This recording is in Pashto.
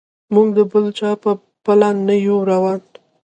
موږ د بل چا په پله نه یو روان.